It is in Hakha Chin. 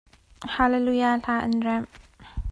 Hallelujah Hla an remh.